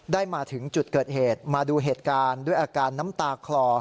มาถึงจุดเกิดเหตุมาดูเหตุการณ์ด้วยอาการน้ำตาคลอ